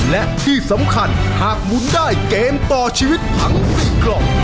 และที่สำคัญหากหมุนได้เกมต่อชีวิตทั้ง๔กล่อง